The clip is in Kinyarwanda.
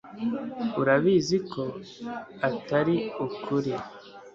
urabizi ko atari ukuri